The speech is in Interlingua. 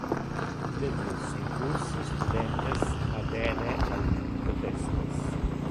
De plus in plus studentes adhere al protestos.